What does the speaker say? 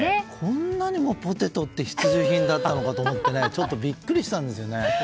こんなにもポテトって必需品だったのかってちょっとビックリしたんですよね。